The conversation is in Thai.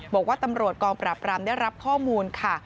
บอกว่าตำรวจกองปราบรามได้รับข้อมูลค่ะ